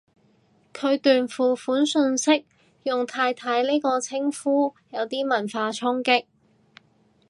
佢段付款訊息用太太呢個稱呼，有啲文化衝擊